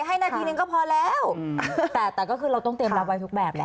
ให้นาทีนึงก็พอแล้วแต่แต่ก็คือเราต้องเตรียมรับไว้ทุกแบบแหละ